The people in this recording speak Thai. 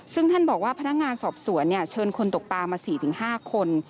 ซึ่งท่านบอกว่าพนักงานสอบสวนเชิญคนตกปลามา๔๕คน